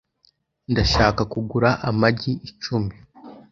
Ndashaka kugura amagi icumi .